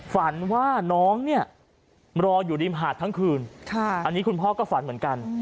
ฝันว่าน้องเนี่ยรออยู่ริมหาดทั้งคืนอันนี้คุณพ่อก็ฝันเหมือนกัน